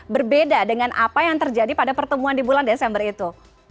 berbeda dengan apa yang terjadi pada pertemuan di bulan desember itu